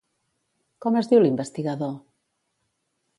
Com es diu l'investigador?